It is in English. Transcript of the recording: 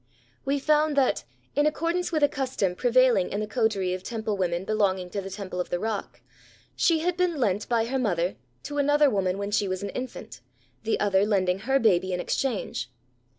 We found that, in accordance with a custom prevailing in the coterie of Temple women belonging to the Temple of the Rock, she had been lent by her mother to another woman when she was an infant, the other lending her baby in exchange.